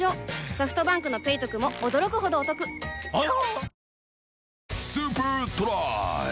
ソフトバンクの「ペイトク」も驚くほどおトクわぁ！